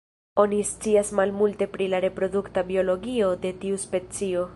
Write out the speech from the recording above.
Oni scias malmulte pri la reprodukta biologio de tiu specio.